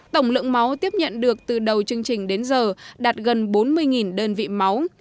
tổng lượng máu tiếp nhận được từ đầu chương trình đến giờ đạt gần bốn mươi đơn vị máu